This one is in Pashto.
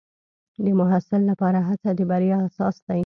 د محصل لپاره هڅه د بریا اساس دی.